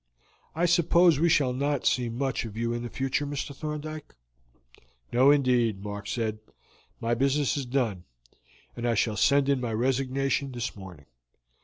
I suppose we shall not see much of you in the future, Mr. Thorndyke?" "No indeed," Mark said. "My business is done, and I shall send in my resignation this morning.